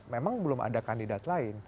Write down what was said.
memang belum ada kandidat lain